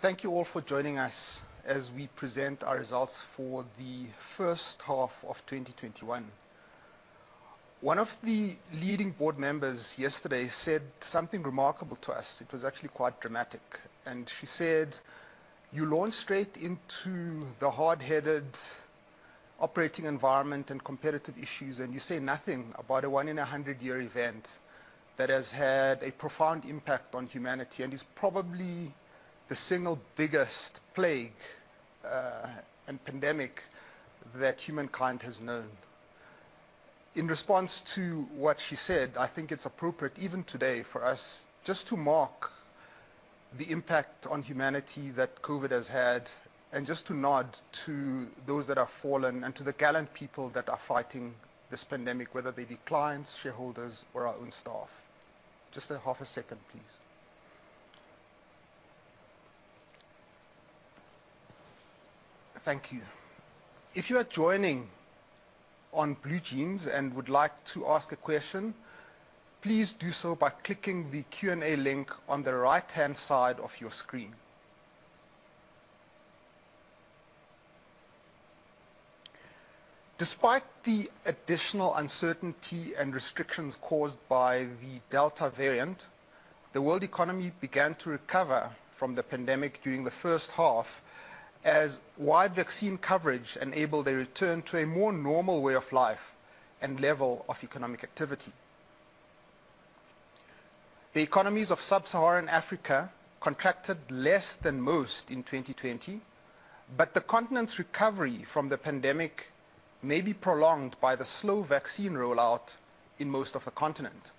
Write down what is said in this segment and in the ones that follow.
Thank you all for joining us as we present our results for the first half of 2021. One of the leading board members yesterday said something remarkable to us. It was actually quite dramatic. She said, "You launch straight into the hard-headed operating environment and competitive issues, and you say nothing about a one in a 100 year event that has had a profound impact on humanity, and is probably the single biggest plague, and pandemic that humankind has known." In response to what she said, I think it's appropriate, even today, for us just to mark the impact on humanity that COVID has had, and just to nod to those that have fallen and to the gallant people that are fighting this pandemic, whether they be clients, shareholders, or our own staff. Just a half a second, please. Thank you. If you are joining on BlueJeans and would like to ask a question, please do so by clicking the Q&A link on the right-hand side of your screen. Despite the additional uncertainty and restrictions caused by the Delta variant, the world economy began to recover from the pandemic during the first half, as wide vaccine coverage enabled a return to a more normal way of life and level of economic activity. The economies of sub-Saharan Africa contracted less than most in 2020, but the continent's recovery from the pandemic may be prolonged by the slow vaccine rollout in most of the continent.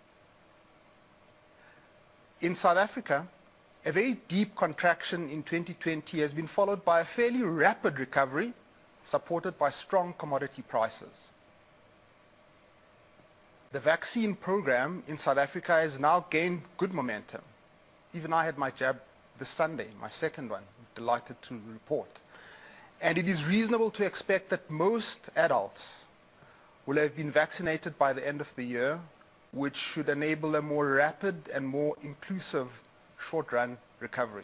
In South Africa, a very deep contraction in 2020 has been followed by a fairly rapid recovery, supported by strong commodity prices. The vaccine program in South Africa has now gained good momentum. Even I had my jab this Sunday, my second one, delighted to report. It is reasonable to expect that most adults will have been vaccinated by the end of the year, which should enable a more rapid and more inclusive short run recovery.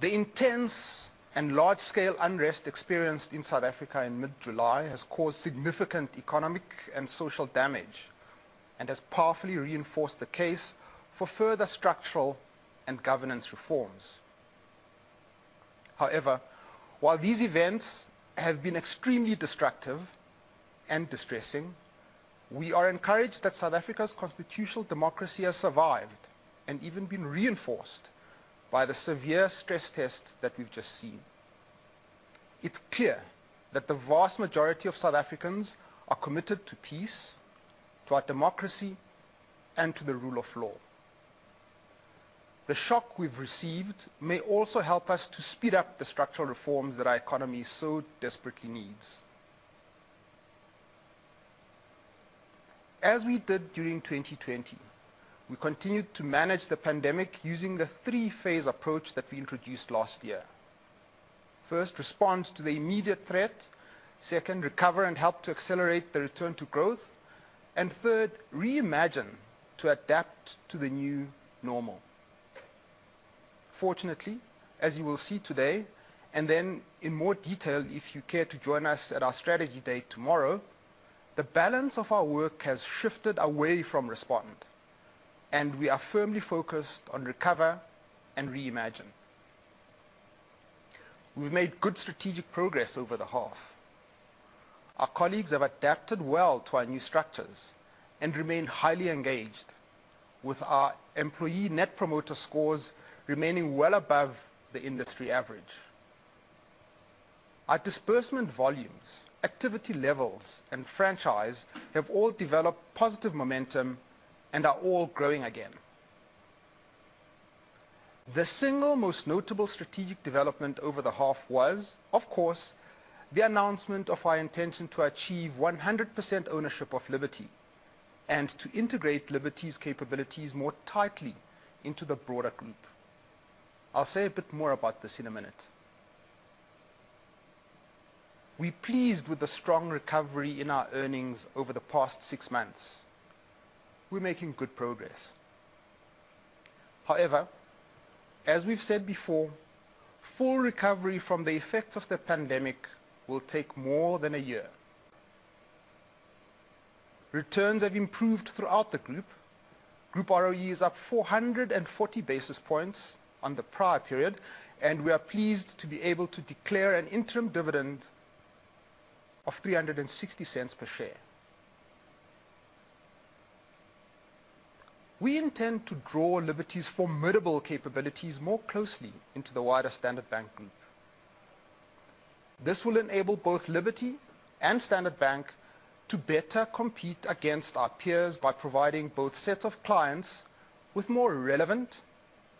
The intense and large-scale unrest experienced in South Africa in mid-July has caused significant economic and social damage, and has powerfully reinforced the case for further structural and governance reforms. However, while these events have been extremely destructive and distressing, we are encouraged that South Africa's constitutional democracy has survived and even been reinforced by the severe stress test that we've just seen. It's clear that the vast majority of South Africans are committed to peace, to our democracy, and to the rule of law. The shock we've received may also help us to speed up the structural reforms that our economy so desperately needs. As we did during 2020, we continued to manage the pandemic using the three-phase approach that we introduced last year. First, respond to the immediate threat. Second, recover and help to accelerate the return to growth. Third, reimagine to adapt to the new normal. Fortunately, as you will see today, and then in more detail if you care to join us at our strategy day tomorrow, the balance of our work has shifted away from respond. We are firmly focused on recover and reimagine. We've made good strategic progress over the half. Our colleagues have adapted well to our new structures and remain highly engaged with our Employee Net Promoter Scores remaining well above the industry average. Our disbursement volumes, activity levels, and franchise have all developed positive momentum and are all growing again. The single most notable strategic development over the half was, of course, the announcement of our intention to achieve 100% ownership of Liberty and to integrate Liberty's capabilities more tightly into the broader group. I'll say a bit more about this in a minute. We're pleased with the strong recovery in our earnings over the past six months. We're making good progress. However, as we've said before, full recovery from the effects of the pandemic will take more than a year. Returns have improved throughout the group. Group ROE is up 440 basis points on the prior period, and we are pleased to be able to declare an interim dividend of 3.60 per share. We intend to draw Liberty's formidable capabilities more closely into the wider Standard Bank Group. This will enable both Liberty and Standard Bank to better compete against our peers by providing both sets of clients with more relevant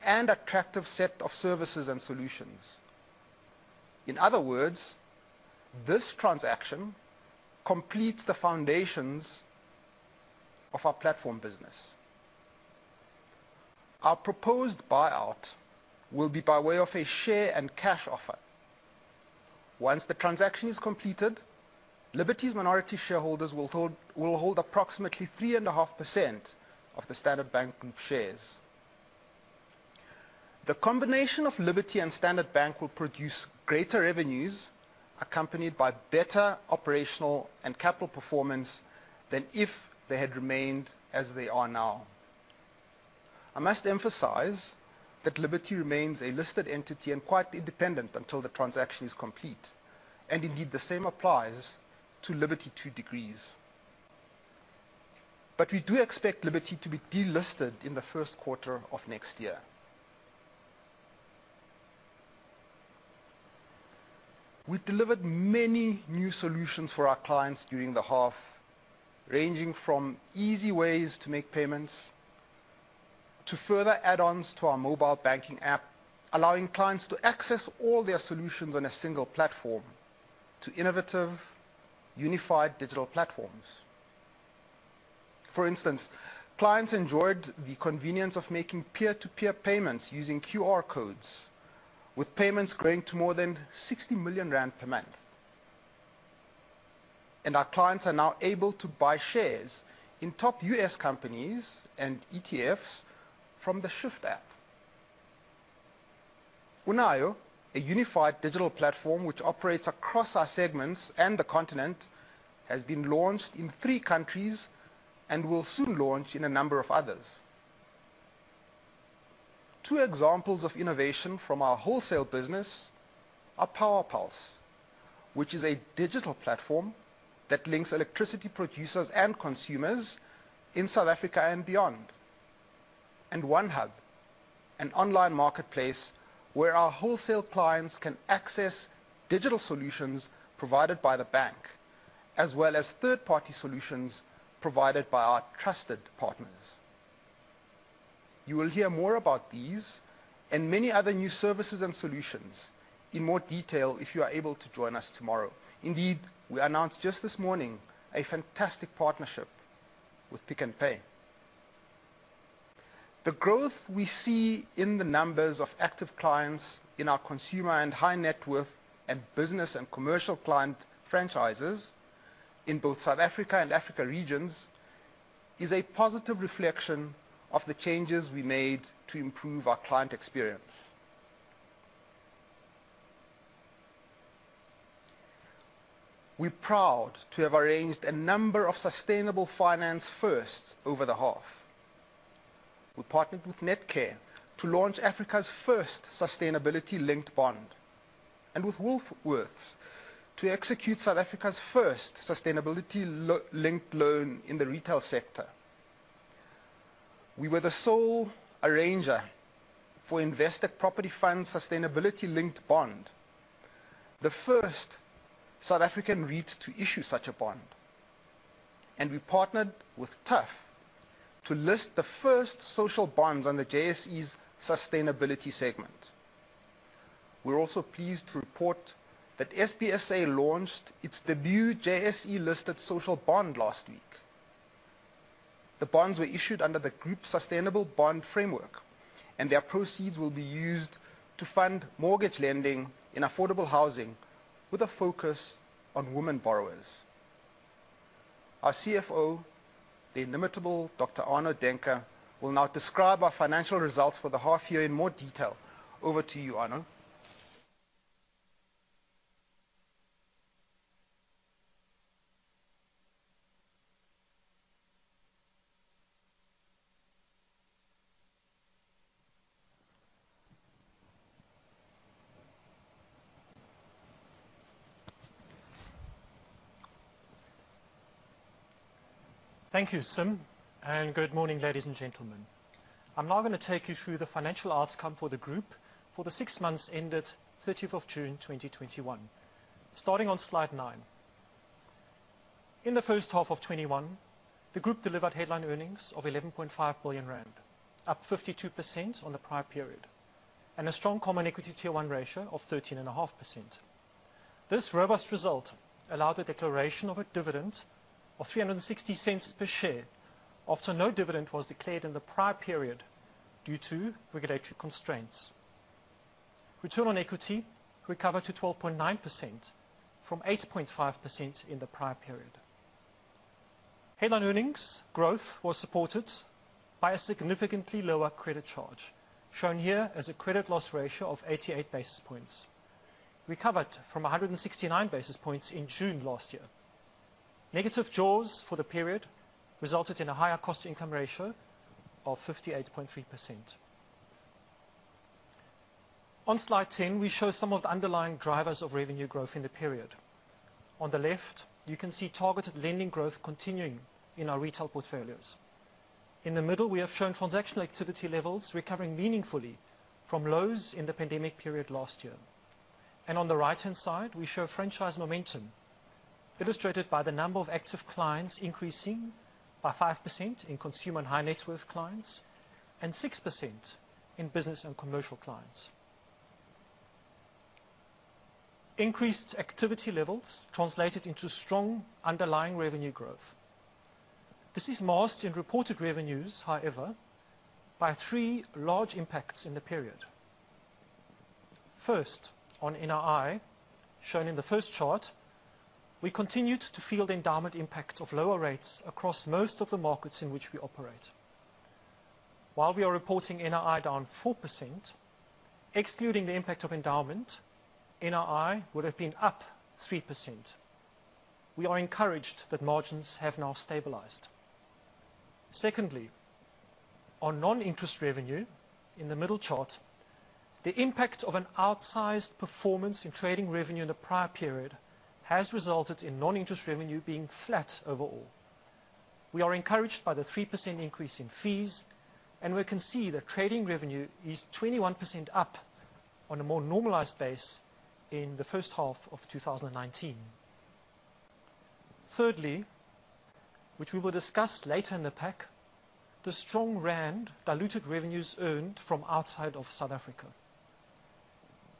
and attractive set of services and solutions. In other words, this transaction completes the foundations of our platform business. Our proposed buyout will be by way of a share and cash offer. Once the transaction is completed, Liberty's minority shareholders will hold approximately 3.5% of the Standard Bank Group shares. The combination of Liberty and Standard Bank will produce greater revenues accompanied by better operational and capital performance than if they had remained as they are now. I must emphasize that Liberty remains a listed entity and quite independent until the transaction is complete, and indeed, the same applies to Liberty Two Degrees. We do expect Liberty to be delisted in the first quarter of next year. We delivered many new solutions for our clients during the half, ranging from easy ways to make payments, to further add-ons to our mobile banking app, allowing clients to access all their solutions on a single platform, to innovative, unified digital platforms. For instance, clients enjoyed the convenience of making peer-to-peer payments using QR codes, with payments growing to more than 60 million rand per month. Our clients are now able to buy shares in top U.S. companies and ETFs from the Shyft app. Unayo, a unified digital platform which operates across our segments and the continent, has been launched in three countries and will soon launch in a number of others. Two examples of innovation from our wholesale business are PowerPulse, which is a digital platform that links electricity producers and consumers in South Africa and beyond, and OneHub, an online marketplace where our wholesale clients can access digital solutions provided by the bank, as well as third-party solutions provided by our trusted partners. You will hear more about these and many other new services and solutions in more detail if you are able to join us tomorrow. Indeed, we announced just this morning a fantastic partnership with Pick n Pay. The growth we see in the numbers of active clients in our consumer and high net worth and business and commercial client franchises in both South Africa and Africa regions is a positive reflection of the changes we made to improve our client experience. We're proud to have arranged a number of sustainable finance firsts over the half. We partnered with Netcare to launch Africa's first sustainability-linked bond, and with Woolworths to execute South Africa's first sustainability-linked loan in the retail sector. We were the sole arranger for Investec Property Fund's sustainability-linked bond, the first South African REIT to issue such a bond. We partnered with TUHF to list the first social bonds on the JSE's sustainability segment. We're also pleased to report that SBSA launched its debut JSE-listed social bond last week. The bonds were issued under the group sustainable bond framework, and their proceeds will be used to fund mortgage lending in affordable housing with a focus on women borrowers. Our CFO, the inimitable Dr. Arno Daehnke, will now describe our financial results for the half year in more detail. Over to you, Arno. Thank you, Sim, and good morning, ladies and gentlemen. I'm now going to take you through the financial outcome for the group for the 6 months ended 30th of June 2021. Starting on slide nine. In the first half of 2021, the group delivered headline earnings of 11.5 billion rand, up 52% on the prior period, and a strong common equity Tier 1 ratio of 13.5%. This robust result allowed a declaration of a dividend of 3.60 per share after no dividend was declared in the prior period due to regulatory constraints. Return on equity recovered to 12.9% from 8.5% in the prior period. Headline earnings growth was supported by a significantly lower credit charge, shown here as a credit loss ratio of 88 basis points, recovered from 169 basis points in June last year. Negative jaws for the period resulted in a higher cost-to-income ratio of 58.3%. On slide 10, we show some of the underlying drivers of revenue growth in the period. On the left, you can see targeted lending growth continuing in our retail portfolios. In the middle, we have shown transactional activity levels recovering meaningfully from lows in the pandemic period last year. On the right-hand side, we show franchise momentum, illustrated by the number of active clients increasing by 5% in consumer and high net worth clients and 6% in business and commercial clients. Increased activity levels translated into strong underlying revenue growth. This is masked in reported revenues, however, by three large impacts in the period. First, on NII, shown in the first chart, we continued to feel the endowment impact of lower rates across most of the markets in which we operate. While we are reporting NII down 4%, excluding the impact of endowment, NII would have been up 3%. We are encouraged that margins have now stabilized. Secondly, on Non-Interest Revenue, in the middle chart, the impact of an outsized performance in trading revenue in the prior period has resulted in Non-Interest Revenue being flat overall. We are encouraged by the 3% increase in fees. We can see that trading revenue is 21% up on a more normalized base in the first half of 2019. Thirdly, which we will discuss later in the pack, the strong rand diluted revenues earned from outside of South Africa.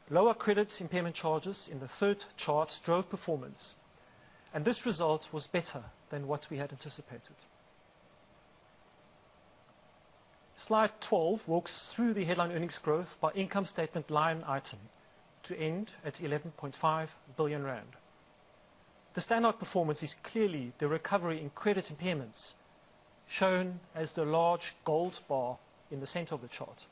Lower credit impairment charges in the third chart drove performance. This result was better than what we had anticipated. Slide 12 walks through the headline earnings growth by income statement line item to end at 11.5 billion rand. The standout performance is clearly the recovery in credit impairments, shown as the large gold bar in the center of the chart.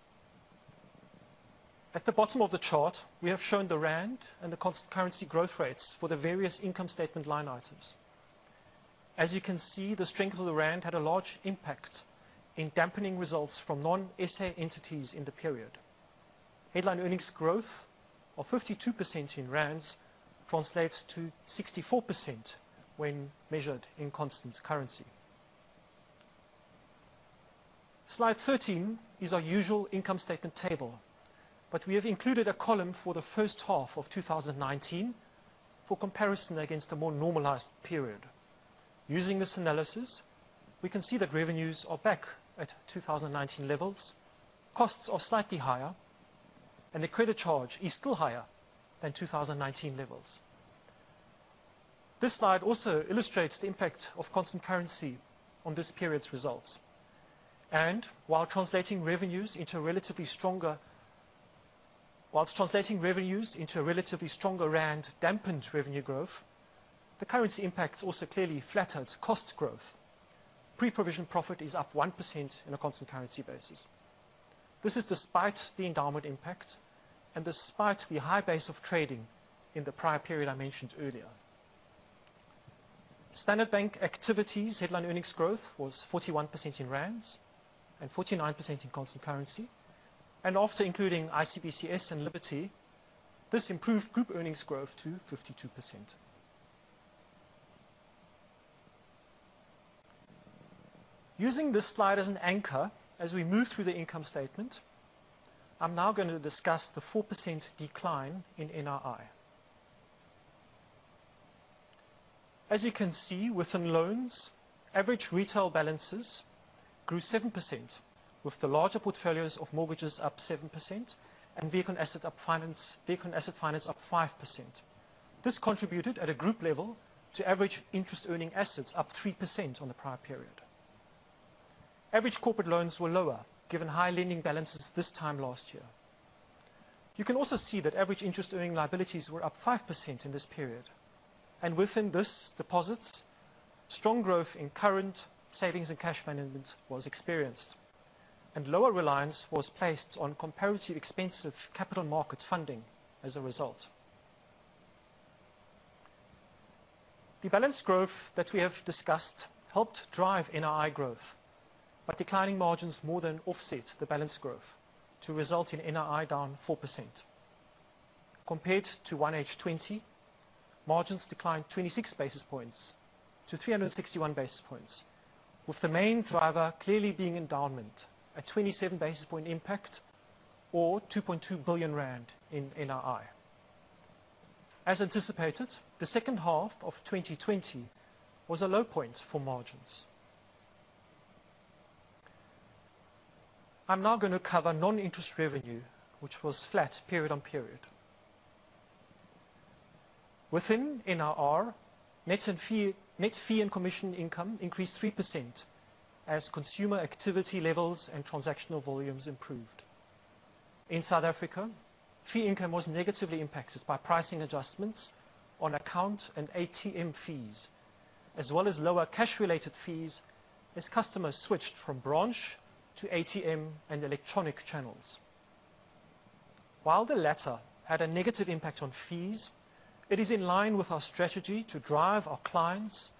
At the bottom of the chart, we have shown the rand and the constant currency growth rates for the various income statement line items. As you can see, the strength of the rand had a large impact in dampening results from non-SA entities in the period. Headline earnings growth of 52% in rands translates to 64% when measured in constant currency. Slide 13 is our usual income statement table, but we have included a column for the first half of 2019 for comparison against a more normalized period. Using this analysis, we can see that revenues are back at 2019 levels, costs are slightly higher, and the credit charge is still higher than 2019 levels. This slide also illustrates the impact of constant currency on this period's results. While translating revenues into a relatively stronger rand dampened revenue growth, the currency impact also clearly flattened cost growth. Pre-provision profit is up 1% on a constant currency basis. This is despite the endowment impact and despite the high base of trading in the prior period I mentioned earlier. Standard Bank activities headline earnings growth was 41% in ZAR and 49% in constant currency. After including ICBCS and Liberty, this improved group earnings growth to 52%. Using this slide as an anchor as we move through the income statement, I am now going to discuss the 4% decline in NII. As you can see, within loans, average retail balances grew 7%, with the larger portfolios of mortgages up 7% and Vehicle and Asset Finance up 5%. This contributed at a group level to average interest-earning assets up 3% on the prior period. Average corporate loans were lower, given high lending balances this time last year. You can also see that average interest-earning liabilities were up 5% in this period. Within this, deposits, strong growth in current savings and cash management was experienced, and lower reliance was placed on comparatively expensive capital market funding as a result. The balance growth that we have discussed helped drive NII growth, but declining margins more than offset the balance growth to result in NII down 4%. Compared to H1 2020, margins declined 26 basis points to 361 basis points, with the main driver clearly being endowment, a 27 basis point impact or 2.2 billion rand in NII. As anticipated, the second half of 2020 was a low point for margins. I'm now going to cover non-interest revenue, which was flat period on period. Within NIR, net fee and commission income increased 3% as consumer activity levels and transactional volumes improved. In South Africa, fee income was negatively impacted by pricing adjustments on account and ATM fees, as well as lower cash-related fees as customers switched from branch to ATM and electronic channels. While the latter had a negative impact on fees, it is in line with our strategy to drive our clients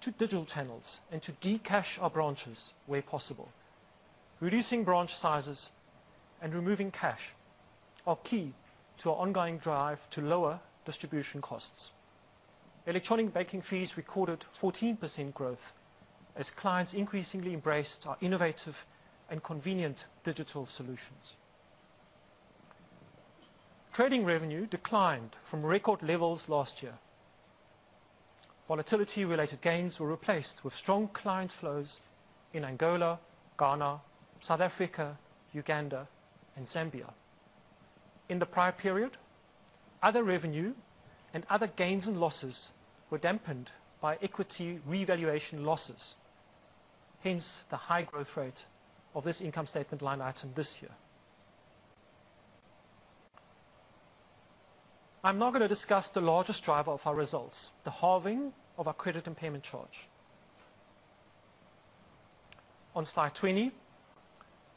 to digital channels and to decash our branches where possible. Reducing branch sizes and removing cash are key to our ongoing drive to lower distribution costs. Electronic banking fees recorded 14% growth as clients increasingly embraced our innovative and convenient digital solutions. Trading revenue declined from record levels last year. Volatility-related gains were replaced with strong client flows in Angola, Ghana, South Africa, Uganda, and Zambia. In the prior period, other revenue and other gains and losses were dampened by equity revaluation losses, hence the high growth rate of this income statement line item this year. I'm now going to discuss the largest driver of our results, the halving of our credit impairment charge. On slide 20,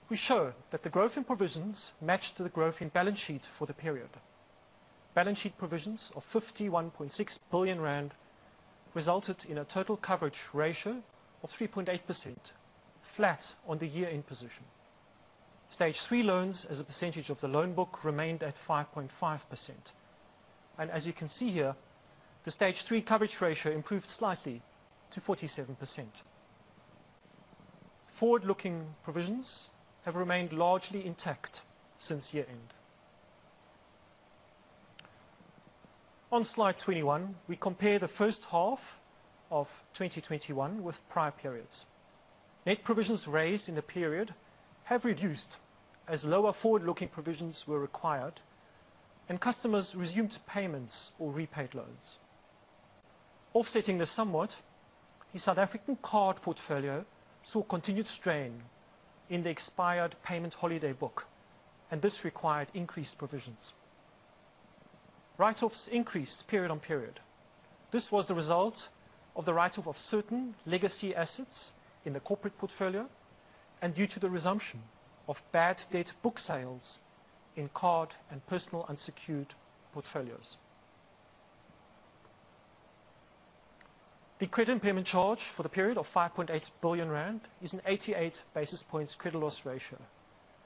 we show that the growth in provisions matched the growth in balance sheet for the period. Balance sheet provisions of 51.6 billion rand resulted in a total coverage ratio of 3.8%, flat on the year-end position. Stage 3 loans as a percentage of the loan book remained at 5.5%. As you can see here, the stage 3 coverage ratio improved slightly to 47%. Forward-looking provisions have remained largely intact since year-end. On slide 21, we compare the first half of 2021 with prior periods. Net provisions raised in the period have reduced as lower forward-looking provisions were required and customers resumed payments or repaid loans. Offsetting this somewhat, the South African card portfolio saw continued strain in the expired payment holiday book, this required increased provisions. Write-offs increased period on period. This was the result of the write-off of certain legacy assets in the corporate portfolio and due to the resumption of bad debt book sales in card and personal unsecured portfolios. The credit impairment charge for the period of 5.8 billion rand is an 88 basis points credit loss ratio,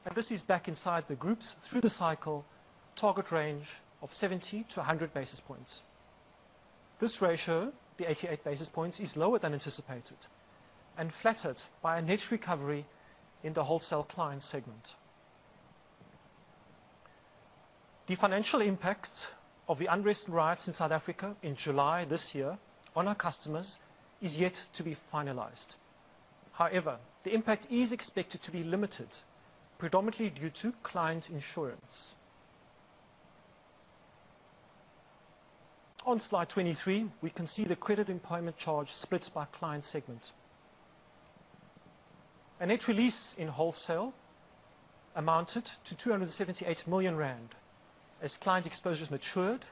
and this is back inside the group's through-the-cycle target range of 70-100 basis points. This ratio, the 88 basis points, is lower than anticipated and flattered by a net recovery in the wholesale client segment. The financial impact of the unrest and riots in South Africa in July this year on our customers is yet to be finalized. However, the impact is expected to be limited, predominantly due to client insurance. On slide 23, we can see the credit impairment charge split by client segment. A net release in wholesale amounted to 278 million rand as client exposures matured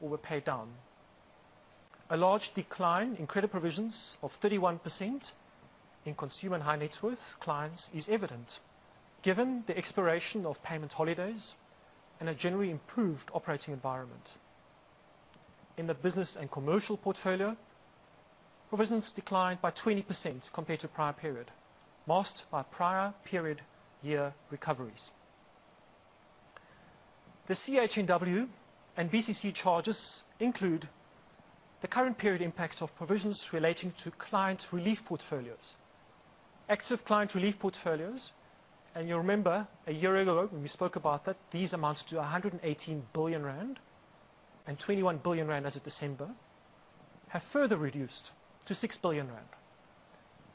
or were paid down. A large decline in credit provisions of 31% in consumer high net worth clients is evident given the expiration of payment holidays and a generally improved operating environment. In the business and commercial portfolio, provisions declined by 20% compared to prior period, masked by prior period year recoveries. The CHNW and BCC charges include the current period impact of provisions relating to client relief portfolios. Active client relief portfolios, and you'll remember a year ago when we spoke about that, these amounted to 118 billion rand and 21 billion rand as of December, have further reduced to 6 billion rand.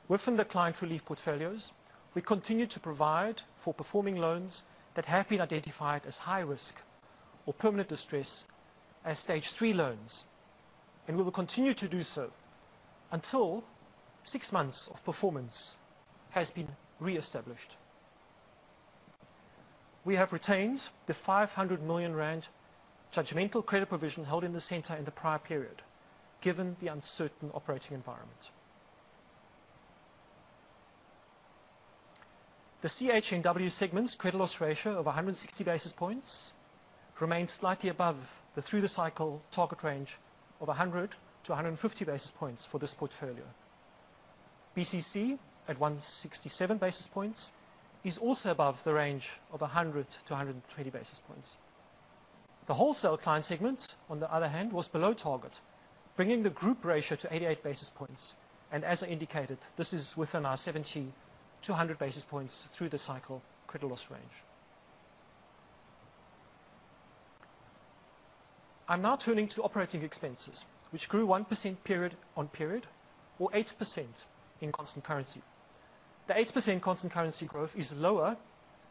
Within the client relief portfolios, we continue to provide for performing loans that have been identified as high risk or permanent distress as stage 3 loans, and we will continue to do so until 6 months of performance has been reestablished. We have retained the 500 million rand judgmental credit provision held in the center in the prior period, given the uncertain operating environment. The CHNW segment's credit loss ratio of 160 basis points remains slightly above the through-the-cycle target range of 100-150 basis points for this portfolio. BCC at 167 basis points is also above the range of 100-120 basis points. The wholesale client segment, on the other hand, was below target, bringing the group ratio to 88 basis points. As I indicated, this is within our 70-100 basis points through-the-cycle credit loss range. I'm now turning to operating expenses, which grew 1% period on period or 8% in constant currency. The 8% constant currency growth is lower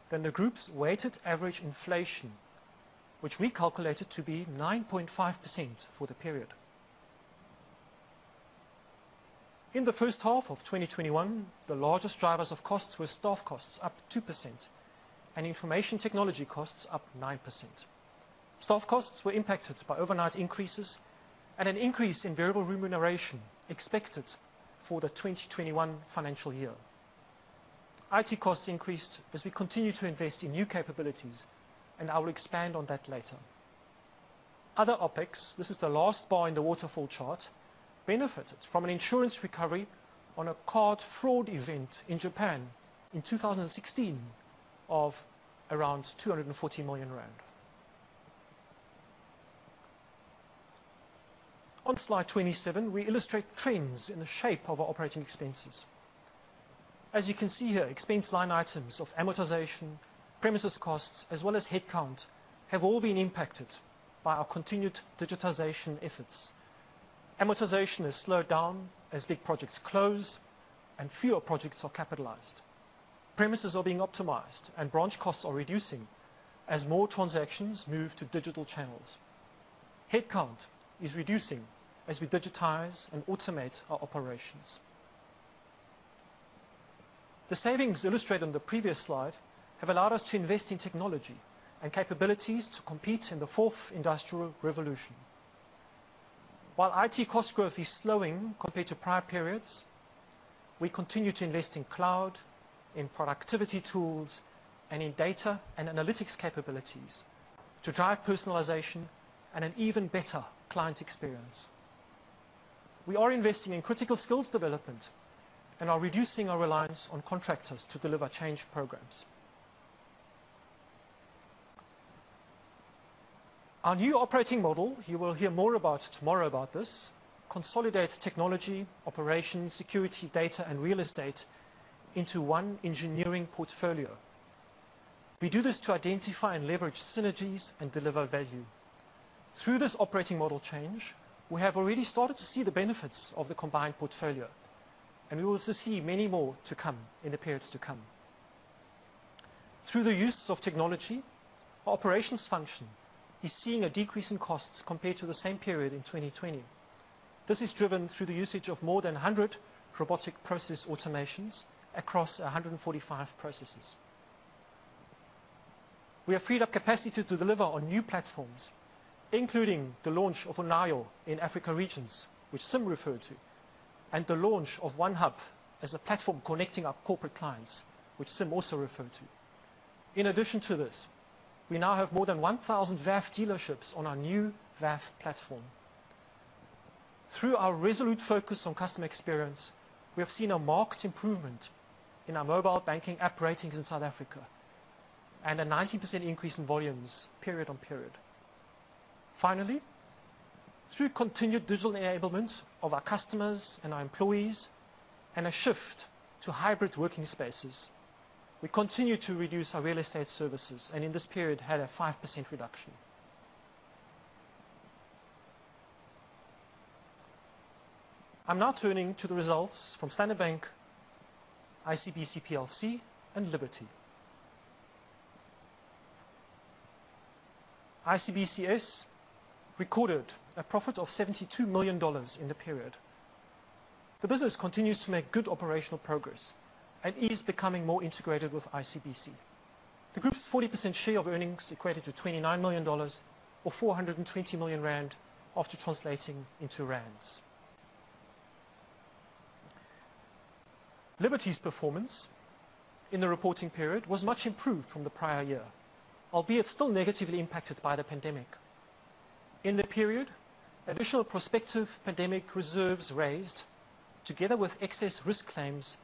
than the group's weighted average inflation, which we calculated to be 9.5% for the period. In the first half of 2021, the largest drivers of costs were staff costs up 2% and information technology costs up 9%. Staff costs were impacted by overnight increases and an increase in variable remuneration expected for the 2021 financial year. IT costs increased, as we continues to invest in new capabilities and I will expand on that later. Other OpEx, this is the last bar in the waterfall chart, benefited from an insurance recovery on a card fraud event in Japan in 2016 of around ZAR 240 million. On slide 27, we illustrate trends in the shape of our operating expenses. As you can see here, expense line items of amortization, premises costs, as well as headcount, have all been impacted by our continued digitization efforts. Amortization has slowed down as big projects close and fewer projects are capitalized. Premises are being optimized and branch costs are reducing as more transactions move to digital channels. Headcount is reducing as we digitize and automate our operations. The savings illustrated on the previous slide have allowed us to invest in technology and capabilities to compete in the Fourth Industrial Revolution. While IT cost growth is slowing compared to prior periods, we continue to invest in cloud, in productivity tools, and in data and analytics capabilities to drive personalization and an even better client experience. We are investing in critical skills development and are reducing our reliance on contractors to deliver change programs. Our new operating model, you will hear more about tomorrow about this, consolidates technology, operations, security, data, and real estate into one engineering portfolio. We do this to identify and leverage synergies and deliver value. Through this operating model change, we have already started to see the benefits of the combined portfolio, and we will also see many more in the periods to come. Through the use of technology, our operations function is seeing a decrease in costs compared to the same period in 2020. This is driven through the usage of more than 100 robotic process automations across 145 processes. We have freed up capacity to deliver on new platforms, including the launch of Unayo in Africa regions, which Sim referred to, and the launch of OneHub as a platform connecting our corporate clients, which Sim also referred to. In addition to this, we now have more than 1,000 VAF dealerships on our new VAF platform. Through our resolute focus on customer experience, we have seen a marked improvement in our mobile banking app ratings in South Africa and a 19% increase in volumes period on period. Finally, through continued digital enablement of our customers and our employees and a shift to hybrid working spaces, we continue to reduce our real estate services, and in this period had a 5% reduction. I'm now turning to the results from Standard Bank Group, ICBC Standard Bank Plc, and Liberty. ICBCS recorded a profit of $72 million in the period. The business continues to make good operational progress and is becoming more integrated with ICBC. The group's 40% share of earnings equated to $29 million, or 420 million rand after translating into rands. Liberty's performance in the reporting period was much improved from the prior year, albeit still negatively impacted by the pandemic. In the period, additional prospective pandemic reserves raised, together with excess risk claims,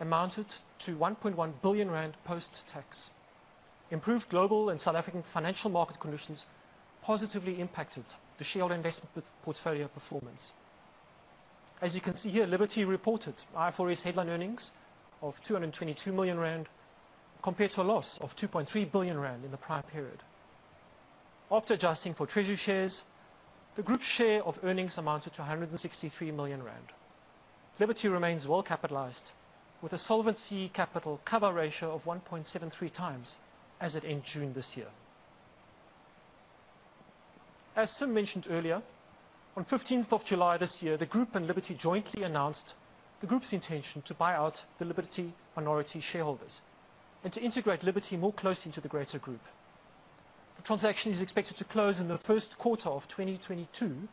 amounted to 1.1 billion rand post-tax. Improved global and South African financial market conditions positively impacted the shared investment portfolio performance. As you can see here, Liberty reported IFRS headline earnings of 222 million rand compared to a loss of 2.3 billion rand in the prior period. After adjusting for treasury shares, the group's share of earnings amounted to 163 million rand. Liberty remains well-capitalized, with a solvency capital cover ratio of 1.73 times as it ended June this year. As Sim mentioned earlier, on 15th of July this year, the group and Liberty jointly announced the group's intention to buy out the Liberty minority shareholders and to integrate Liberty more closely to the greater group. The transaction is expected to close in the first quarter of 2022,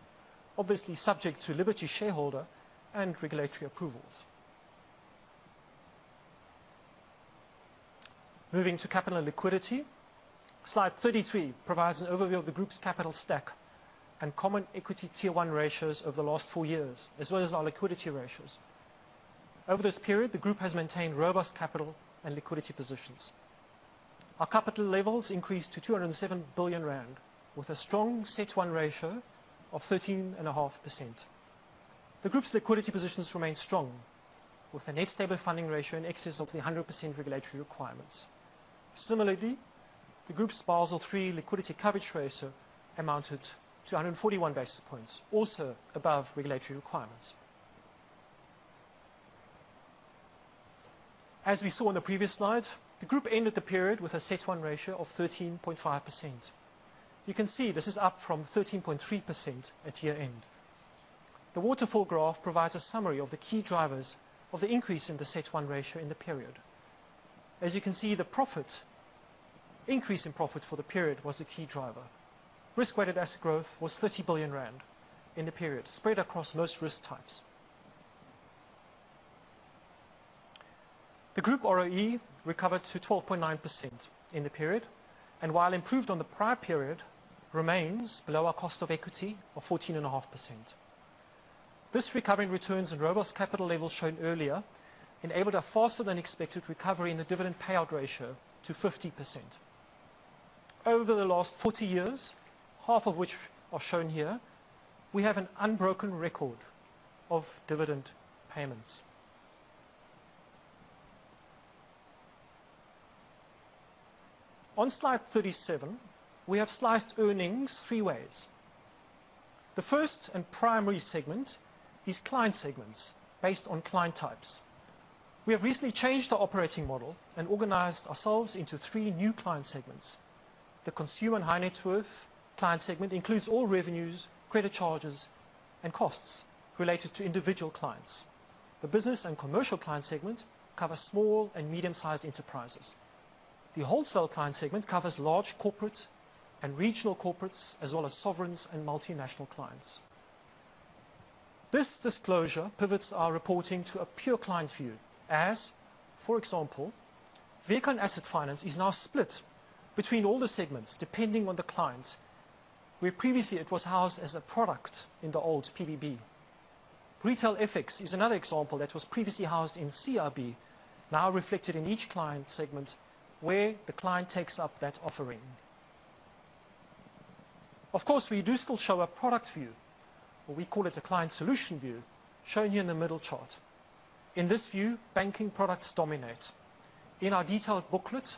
obviously subject to Liberty shareholder and regulatory approvals. Moving to capital and liquidity. Slide 33 provides an overview of the group's capital stack and common equity Tier 1 ratios over the last 4 years, as well as our liquidity ratios. Over this period, the group has maintained robust capital and liquidity positions. Our capital levels increased to 207 billion rand, with a strong CET1 ratio of 13.5%. The group's liquidity positions remain strong, with a Net Stable Funding Ratio in excess of the 100% regulatory requirements. Similarly, the group's Basel III Liquidity Coverage Ratio amounted to 141 basis points, also above regulatory requirements. As we saw on the previous slide, the group ended the period with a CET1 ratio of 13.5%. You can see this is up from 13.3% at year-end. The waterfall graph provides a summary of the key drivers of the increase in the CET1 ratio in the period. As you can see, the increase in profit for the period was a key driver. Risk-weighted asset growth was 30 billion rand in the period, spread across most risk types. The group ROE recovered to 12.9% in the period, and while improved on the prior period, remains below our cost of equity of 14.5%. This recovery in returns and robust capital levels shown earlier enabled a faster than expected recovery in the dividend payout ratio to 50%. Over the last 40 years, half of which are shown here, we have an unbroken record of dividend payments. On slide 37, we have sliced earnings three ways. The first and primary segment is client segments based on client types. We have recently changed our operating model and organized ourselves into three new client segments. The consumer and high net worth client segment includes all revenues, credit charges, and costs related to individual clients. The business and commercial client segment covers small and medium-sized enterprises. The wholesale client segment covers large corporate and regional corporates, as well as sovereigns and multinational clients. This disclosure pivots our reporting to a pure client view as, for example, vehicle and asset finance is now split between all the segments depending on the client, where previously it was housed as a product in the old PBB. Retail FX is another example that was previously housed in CIB, now reflected in each client segment where the client takes up that offering. Of course, we do still show a product view, or we call it a client solution view, shown here in the middle chart. In this view, banking products dominate. In our detailed booklet,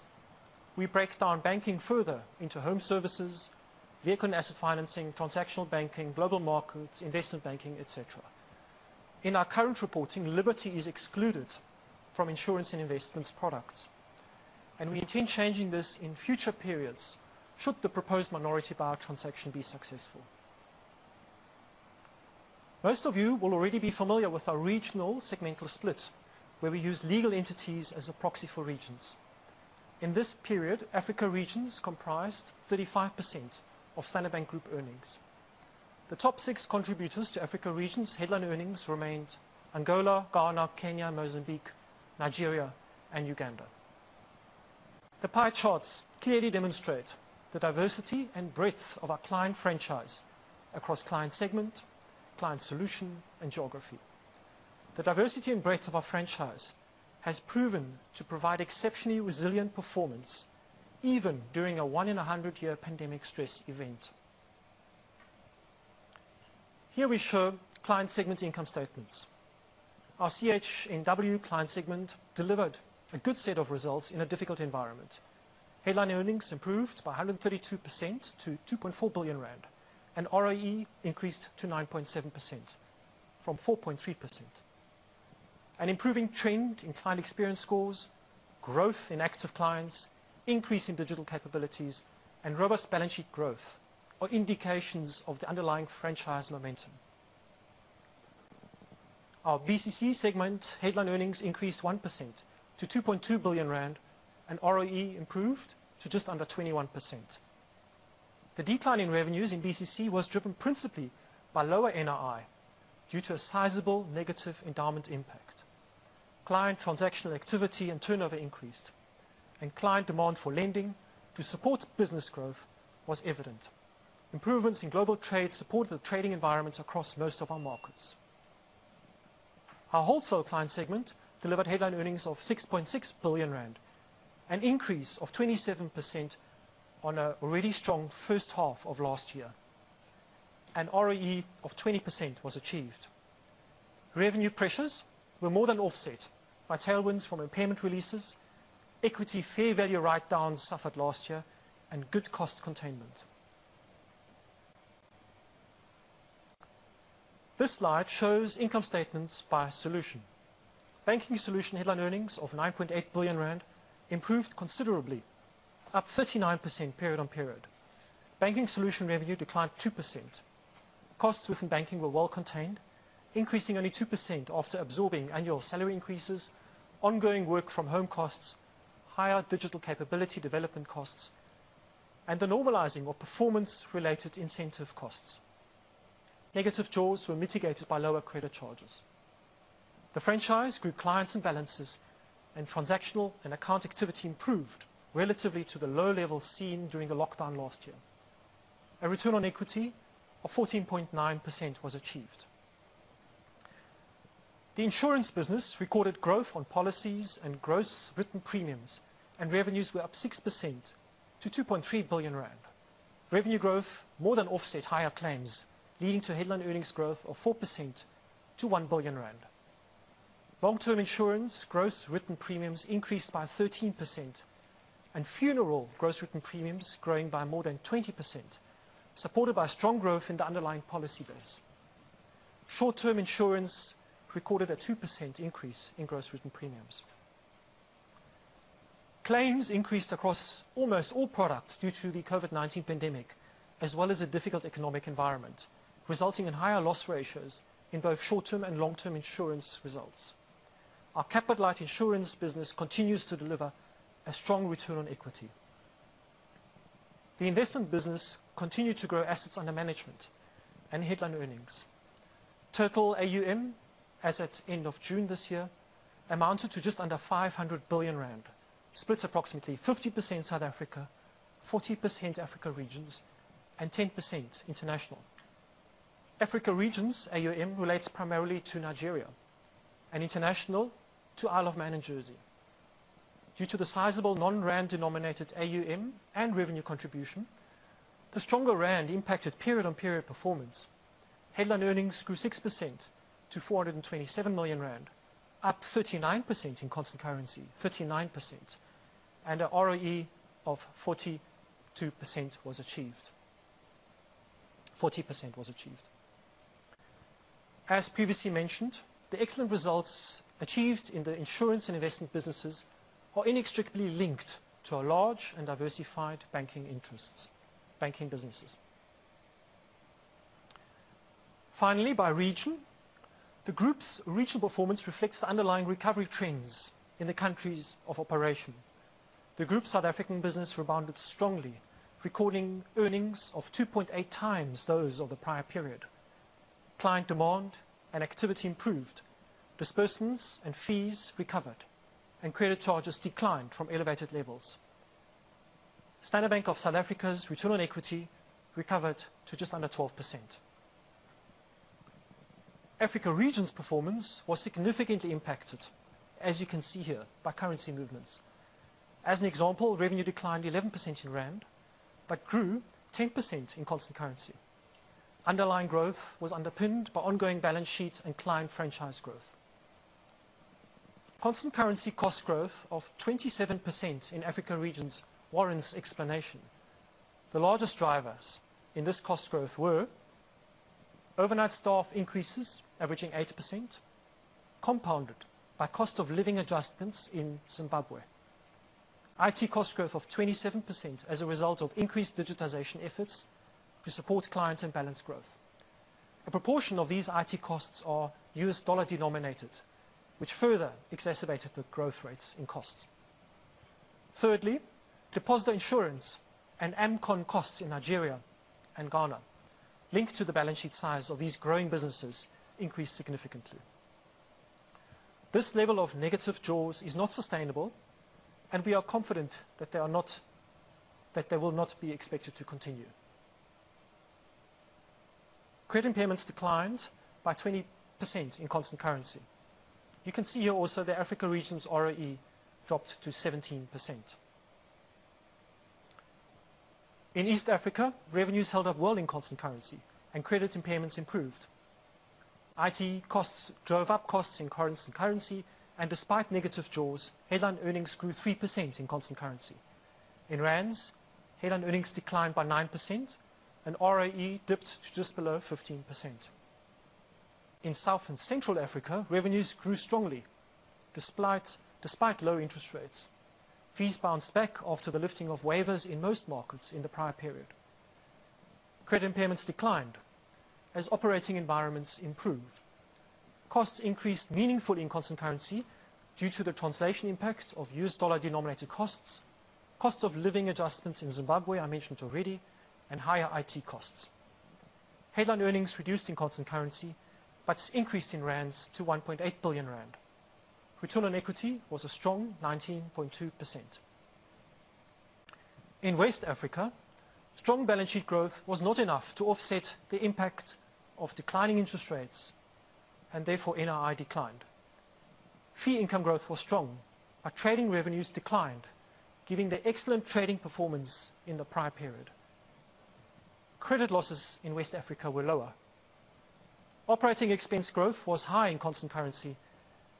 we break down banking further into home services, Vehicle and Asset Finance, transactional banking, global markets, investment banking, et cetera. In our current reporting, Liberty is excluded from insurance and investments products, and we intend changing this in future periods should the proposed minority buyer transaction be successful. Most of you will already be familiar with our regional segmental split, where we use legal entities as a proxy for regions. In this period, Africa regions comprised 35% of Standard Bank Group earnings. The top six contributors to Africa regions headline earnings remained Angola, Ghana, Kenya, Mozambique, Nigeria, and Uganda. The pie charts clearly demonstrate the diversity and breadth of our client franchise across client segment, client solution, and geography. The diversity and breadth of our franchise has proven to provide exceptionally resilient performance even during a 1 in 100-year pandemic stress event. Here we show client segment income statements. Our CHNW client segment delivered a good set of results in a difficult environment. Headline earnings improved by 132% to 2.4 billion rand, and ROE increased to 9.7% from 4.3%. An improving trend in client experience scores, growth in active clients, increase in digital capabilities, and robust balance sheet growth are indications of the underlying franchise momentum. Our BCC segment headline earnings increased 1% to 2.2 billion rand, and ROE improved to just under 21%. The decline in revenues in BCC was driven principally by lower NIR due to a sizable negative endowment impact. Client transactional activity and turnover increased, and client demand for lending to support business growth was evident. Improvements in global trade supported the trading environment across most of our markets. Our Wholesale Client Segment delivered headline earnings of 6.6 billion rand, an increase of 27% on an already strong first half of last year. An ROE of 20% was achieved. Revenue pressures were more than offset by tailwinds from impairment releases, equity fair value write-downs suffered last year, and good cost containment. This slide shows income statements by solution. Banking Solution headline earnings of 9.8 billion rand improved considerably, up 39% period-on-period. Banking Solution revenue declined 2%. Costs within banking were well contained, increasing only 2% after absorbing annual salary increases, ongoing work from home costs, higher digital capability development costs, and the normalizing of performance-related incentive costs. Negative jaws were mitigated by lower credit charges. The franchise grew clients and balances, and transactional and account activity improved relatively to the low levels seen during the lockdown last year. A return on equity of 14.9% was achieved. The insurance business recorded growth on policies and gross written premiums, and revenues were up 6% to 2.3 billion rand. Revenue growth more than offset higher claims, leading to headline earnings growth of 4% to 1 billion rand. Long-term insurance gross written premiums increased by 13%, and funeral gross written premiums growing by more than 20%, supported by strong growth in the underlying policy base. Short-term insurance recorded a 2% increase in gross written premiums. Claims increased across almost all products due to the COVID-19 pandemic, as well as a difficult economic environment, resulting in higher loss ratios in both short-term and long-term insurance results. Our capital-light insurance business continues to deliver a strong return on equity. The investment business continued to grow assets under management and headline earnings. Total AUM as at end of June this year amounted to just under 500 billion rand, split approximately 50% South Africa, 40% Africa regions, and 10% international. Africa regions AUM relates primarily to Nigeria and international to Isle of Man and Jersey. Due to the sizable non-rand denominated AUM and revenue contribution, the stronger rand impacted period on period performance. Headline earnings grew 6% to 427 million rand, up 39% in constant currency. A ROE of 40% was achieved. As previously mentioned, the excellent results achieved in the insurance and investment businesses are inextricably linked to our large and diversified banking businesses. Finally, by region, the group's regional performance reflects the underlying recovery trends in the countries of operation. The group's South African business rebounded strongly, recording earnings of 2.8 times those of the prior period. Client demand and activity improved. Disbursement and fees recovered, and credit charges declined from elevated levels. The Standard Bank of South Africa's return on equity recovered to just under 12%. Africa region's performance was significantly impacted, as you can see here, by currency movements. As an example, revenue declined 11% in rand, but grew 10% in constant currency. Underlying growth was underpinned by ongoing balance sheet and client franchise growth. Constant currency cost growth of 27% in Africa regions warrants explanation. The largest drivers in this cost growth were overnight staff increases averaging 80%, compounded by cost of living adjustments in Zimbabwe. IT cost growth of 27% as a result of increased digitization efforts to support client and balance growth. A proportion of these IT costs are U.S. dollar denominated, which further exacerbated the growth rates in costs. Thirdly, deposit insurance and AMCON costs in Nigeria and Ghana linked to the balance sheet size of these growing businesses increased significantly. This level of negative jaws is not sustainable, and we are confident that they will not be expected to continue. Credit impairments declined by 20% in constant currency. You can see here also the Africa region's ROE dropped to 17%. In East Africa, revenues held up well in constant currency and credit impairments improved. IT costs drove up costs in currency, and despite negative jaws, headline earnings grew 3% in constant currency. In rands, headline earnings declined by 9%, and ROE dipped to just below 15%. In South and Central Africa, revenues grew strongly despite low interest rates. Fees bounced back after the lifting of waivers in most markets in the prior period. Credit impairments declined as operating environments improved. Costs increased meaningfully in constant currency due to the translation impact of U.S. dollar denominated costs, cost of living adjustments in Zimbabwe, I mentioned already, and higher IT costs. Headline earnings reduced in constant currency, but increased in rands to 1.8 billion rand. Return on equity was a strong 19.2%. In West Africa, strong balance sheet growth was not enough to offset the impact of declining interest rates, and therefore NII declined. Fee income growth was strong, but trading revenues declined, giving the excellent trading performance in the prior period. Credit losses in West Africa were lower. Operating expense growth was high in constant currency,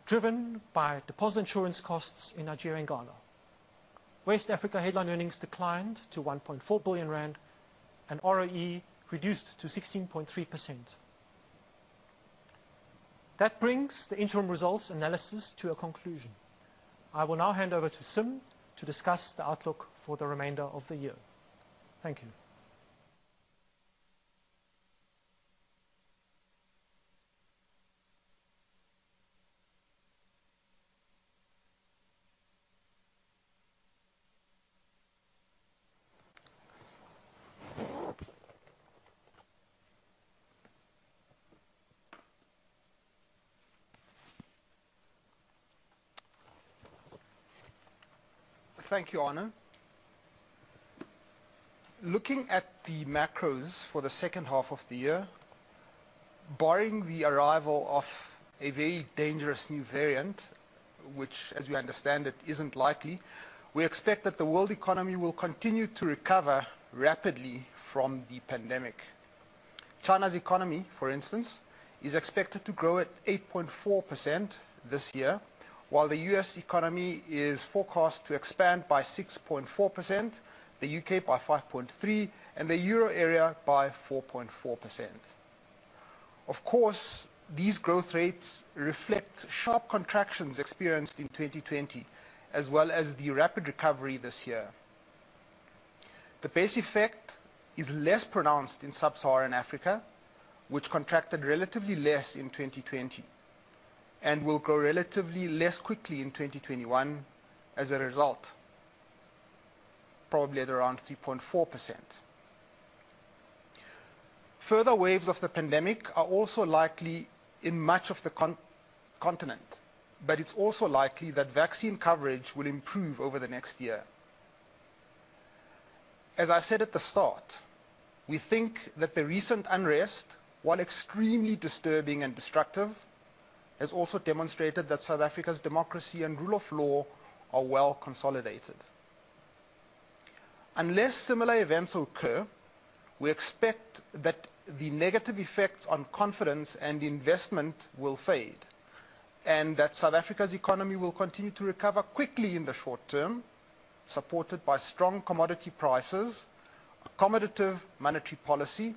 driven by deposit insurance costs in Nigeria and Ghana. West Africa headline earnings declined to 1.4 billion rand, and ROE reduced to 16.3%. That brings the interim results analysis to a conclusion. I will now hand over to Sim to discuss the outlook for the remainder of the year. Thank you. Thank you, Arno Daehnke. Looking at the macros for the second half of the year, barring the arrival of a very dangerous new variant, which, as we understand it, isn't likely, we expect that the world economy will continue to recover rapidly from the pandemic. China's economy, for instance, is expected to grow at 8.4% this year, while the U.S. economy is forecast to expand by 6.4%, the U.K. by 5.3%, and the Euro area by 4.4%. Of course, these growth rates reflect sharp contractions experienced in 2020, as well as the rapid recovery this year. The base effect is less pronounced in sub-Saharan Africa, which contracted relatively less in 2020 and will grow relatively less quickly in 2021 as a result, probably at around 3.4%. Further waves of the pandemic are also likely in much of the continent, but it's also likely that vaccine coverage will improve over the next year. As I said at the start, we think that the recent unrest, while extremely disturbing and destructive, has also demonstrated that South Africa's democracy and rule of law are well consolidated. Unless similar events occur, we expect that the negative effects on confidence and investment will fade, and that South Africa's economy will continue to recover quickly in the short term, supported by strong commodity prices, accommodative monetary policy,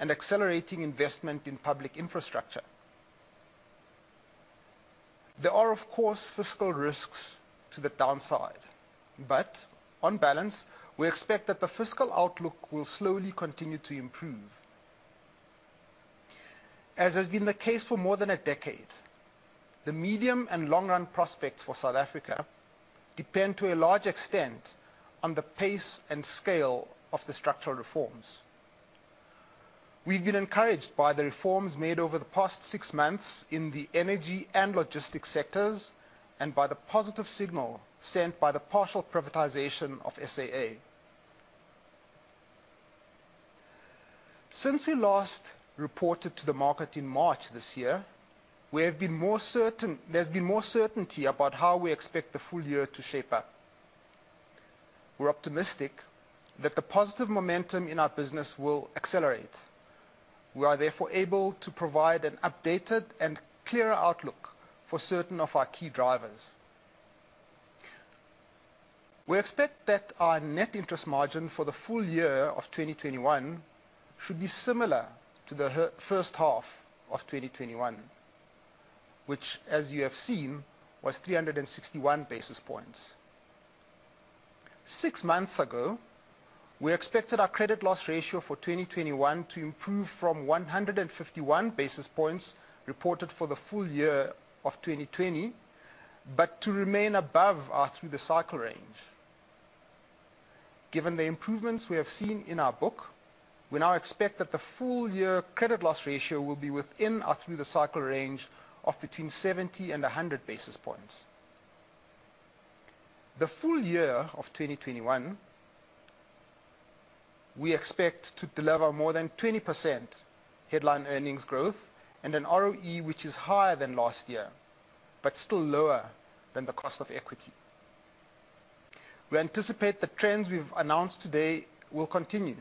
and accelerating investment in public infrastructure. There are, of course, fiscal risks to the downside, but on balance, we expect that the fiscal outlook will slowly continue to improve. As has been the case for more than a decade, the medium and long-run prospects for South Africa depend to a large extent on the pace and scale of the structural reforms. We've been encouraged by the reforms made over the past six months in the energy and logistics sectors, and by the positive signal sent by the partial privatization of SAA. Since we last reported to the market in March this year, there's been more certainty about how we expect the full year to shape up. We're optimistic that the positive momentum in our business will accelerate. We are therefore able to provide an updated and clearer outlook for certain of our key drivers. We expect that our net interest margin for the full year of 2021 should be similar to the first half of 2021, which, as you have seen, was 361 basis points. Six months ago, we expected our credit loss ratio for 2021 to improve from 151 basis points reported for the full year of 2020, but to remain above our through-the-cycle range. Given the improvements we have seen in our book, we now expect that the full year credit loss ratio will be within our through-the-cycle range of between 70 and 100 basis points. The full year of 2021, we expect to deliver more than 20% headline earnings growth and an ROE which is higher than last year, but still lower than the cost of equity. We anticipate the trends we've announced today will continue,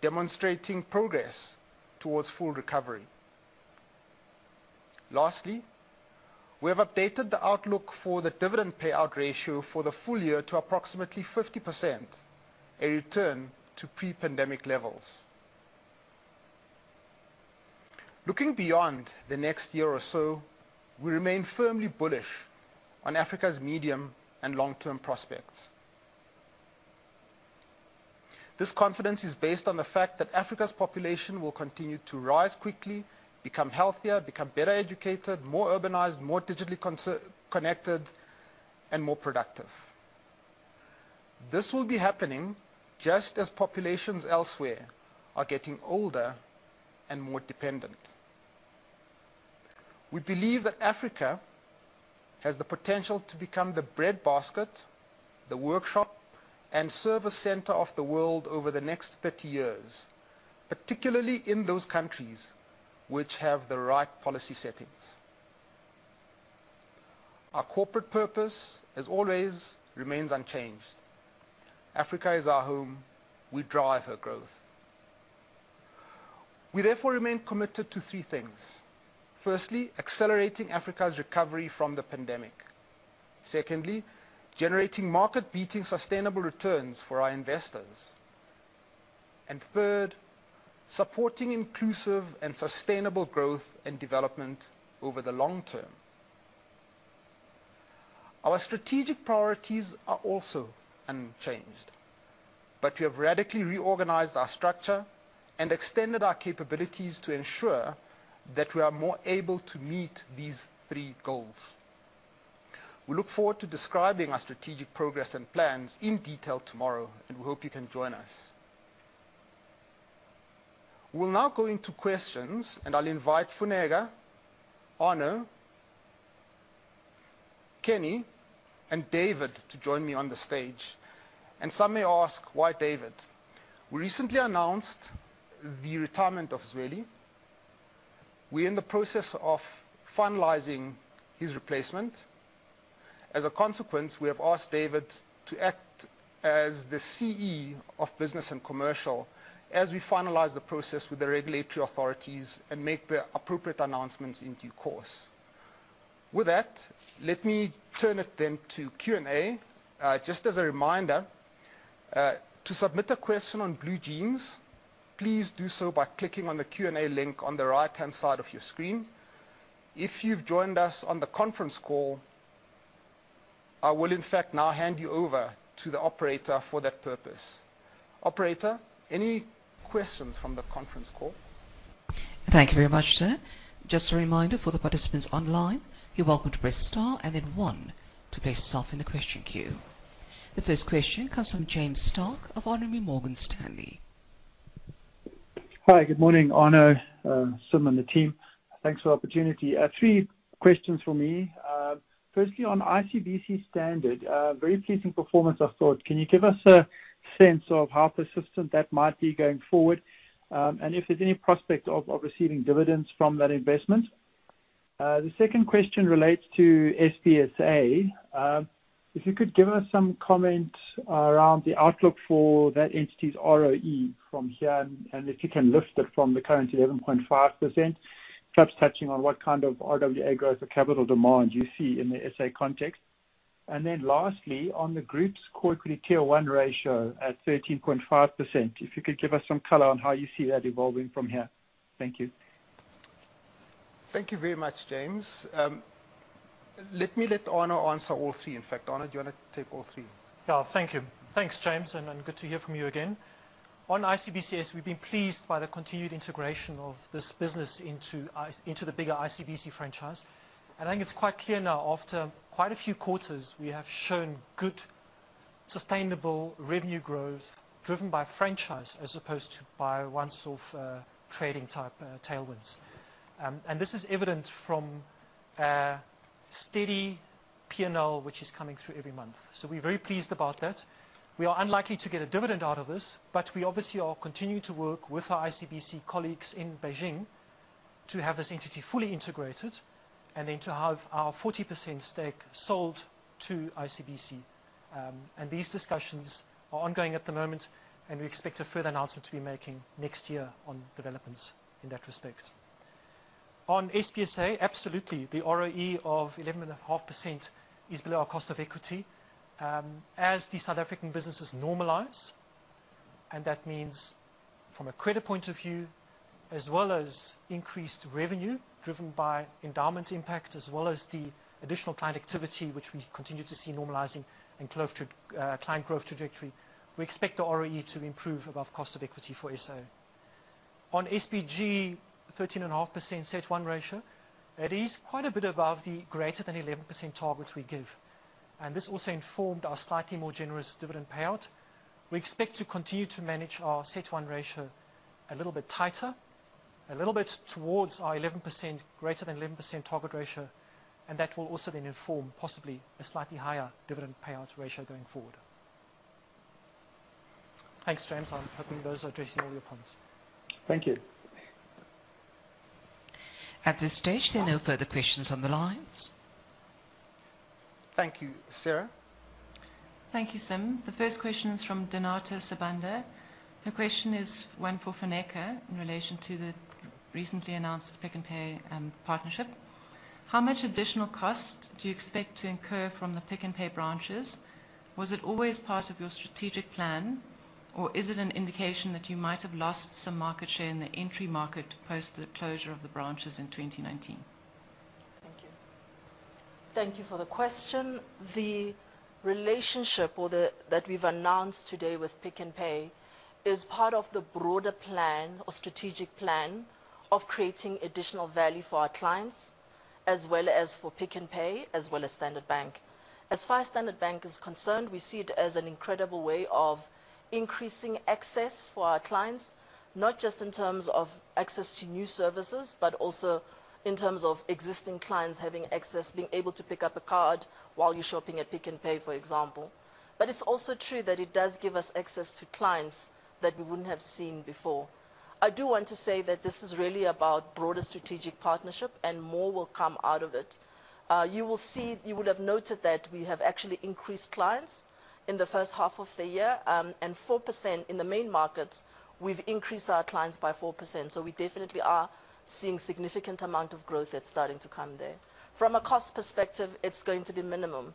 demonstrating progress towards full recovery. Lastly, we have updated the outlook for the dividend payout ratio for the full year to approximately 50%, a return to pre-pandemic levels. Looking beyond the next year or so, we remain firmly bullish on Africa's medium and long-term prospects. This confidence is based on the fact that Africa's population will continue to rise quickly, become healthier, become better educated, more urbanized, more digitally connected, and more productive. This will be happening just as populations elsewhere are getting older and more dependent. We believe that Africa has the potential to become the breadbasket, the workshop, and service center of the world over the next 30 years, particularly in those countries which have the right policy settings. Our corporate purpose, as always, remains unchanged. Africa is our home. We drive her growth. We therefore remain committed to three things. Firstly, accelerating Africa's recovery from the pandemic. Secondly, generating market-beating sustainable returns for our investors. Third, supporting inclusive and sustainable growth and development over the long term. Our strategic priorities are also unchanged, but we have radically reorganized our structure and extended our capabilities to ensure that we are more able to meet these three goals. We look forward to describing our strategic progress and plans in detail tomorrow, and we hope you can join us. We will now go into questions, and I will invite Funeka, Arno, Kenny, and David to join me on the stage. Some may ask, why David? We recently announced the retirement of Zweli. We are in the process of finalizing his replacement. As a consequence, we have asked David to act as the CE of Business and Commercial as we finalize the process with the regulatory authorities and make the appropriate announcements in due course. With that, let me turn it then to Q&A. Just as a reminder, to submit a question on BlueJeans, please do so by clicking on the Q&A link on the right-hand side of your screen. If you've joined us on the conference call, I will, in fact, now hand you over to the operator for that purpose. Operator, any questions from the conference call? Thank you very much, sir. Just a reminder for the participants online, you're welcome to press star and then one to place yourself in the question queue. The first question comes from James Starke of RMB Morgan Stanley. Hi, good morning, Arno, Sim, the team. Thanks for the opportunity. Three questions from me. Firstly, on ICBC Standard, very pleasing performance, I thought. Can you give us a sense of how persistent that might be going forward? If there's any prospect of receiving dividends from that investment? The second question relates to SBSA. If you could give us some comment around the outlook for that entity's ROE from here, and if you can lift it from the current 11.5%, perhaps touching on what kind of RWA growth or capital demand you see in the SA context. Lastly, on the group's core equity Tier 1 ratio at 13.5%, if you could give us some color on how you see that evolving from here. Thank you. Thank you very much, James. Let me let Arno answer all three. In fact, Arno, do you want to take all three? Yeah. Thank you. Thanks, James, and good to hear from you again. On ICBCS, we've been pleased by the continued integration of this business into the bigger ICBC franchise. I think it's quite clear now after quite a few quarters, we have shown good, sustainable revenue growth driven by franchise as opposed to by one-off trading type tailwinds. This is evident from a steady P&L which is coming through every month. We're very pleased about that. We are unlikely to get a dividend out of this, but we obviously are continuing to work with our ICBC colleagues in Beijing to have this entity fully integrated and then to have our 40% stake sold to ICBC. These discussions are ongoing at the moment, and we expect a further announcement to be making next year on developments in that respect. On SBSA, absolutely. The ROE of 11.5% is below our cost of equity. As the South African businesses normalize, and that means from a credit point of view as well as increased revenue driven by endowment impact, as well as the additional client activity which we continue to see normalizing and client growth trajectory, we expect the ROE to improve above cost of equity for SA. On SBG, 13.5% CET1 ratio, that is quite a bit above the greater than 11% target we give. This also informed our slightly more generous dividend payout. We expect to continue to manage our CET1 ratio a little bit tighter, a little bit towards our greater than 11% target ratio, and that will also then inform possibly a slightly higher dividend payout ratio going forward. Thanks, James. I'm hoping those are addressing all your points. Thank you. At this stage, there are no further questions on the lines. Thank you, Sarah. Thank you, Sim. The first question is from Donata Sibanda. Her question is one for Funeka in relation to the recently announced Pick n Pay partnership. How much additional cost do you expect to incur from the Pick n Pay branches? Was it always part of your strategic plan, or is it an indication that you might have lost some market share in the entry market post the closure of the branches in 2019? Thank you. Thank you for the question. The relationship that we've announced today with Pick n Pay is part of the broader plan or strategic plan of creating additional value for our clients, as well as for Pick n Pay, as well as Standard Bank. As far as Standard Bank is concerned, we see it as an incredible way of increasing access for our clients, not just in terms of access to new services, but also in terms of existing clients having access, being able to pick up a card while you're shopping at Pick n Pay, for example. It's also true that it does give us access to clients that we wouldn't have seen before. I do want to say that this is really about broader strategic partnership, and more will come out of it. You would have noted that we have actually increased clients in the first half of the year, and 4% in the main markets, we've increased our clients by 4%. We definitely are seeing significant amount of growth that's starting to come there. From a cost perspective, it's going to be minimum.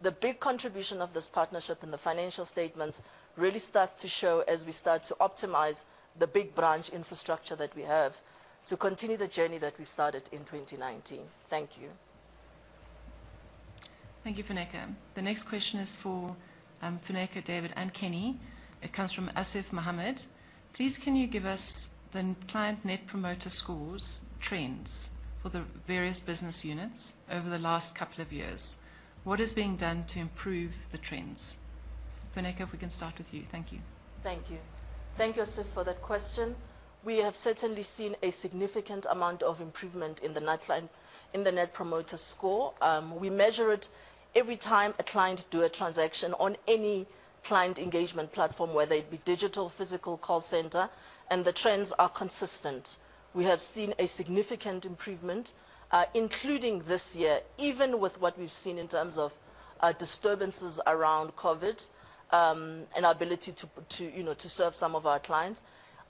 The big contribution of this partnership in the financial statements really starts to show as we start to optimize the big branch infrastructure that we have to continue the journey that we started in 2019. Thank you. Thank you, Funeka. The next question is for Funeka, David, and Kenny. It comes from Asif Mohammed. Please can you give us the client Net Promoter Scores trends for the various business units over the last couple of years? What is being done to improve the trends? Funeka, if we can start with you. Thank you. Thank you. Thank you, Asif, for that question. We have certainly seen a significant amount of improvement in the Net Promoter Score. We measure it every time a client does a transaction on any client engagement platform, whether it be digital, physical, call center, and the trends are consistent. We have seen a significant improvement, including this year, even with what we've seen in terms of disturbances around COVID-19, and our ability to serve some of our clients.